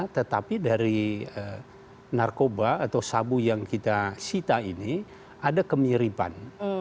tetapi dari narkoba atau sabu yang kita sita ini ada kemiripan